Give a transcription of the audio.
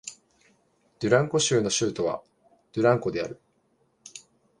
ドゥランゴ州の州都はドゥランゴである